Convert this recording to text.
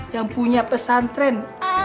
yang punya pesantren